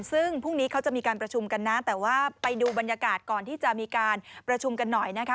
ซึ่งพรุ่งนี้เขาจะมีการประชุมกันนะแต่ว่าไปดูบรรยากาศก่อนที่จะมีการประชุมกันหน่อยนะคะ